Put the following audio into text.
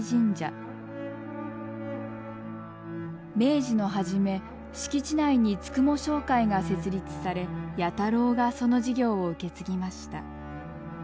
明治の初め敷地内に九十九商会が設立され弥太郎がその事業を受け継ぎました。